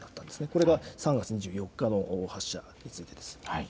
これが３月２４日の発射についてです。